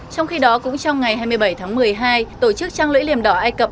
trong khi đó cũng trong ngày hai mươi bảy tháng một mươi hai tổ chức trang lưỡi liềm đỏ ai cập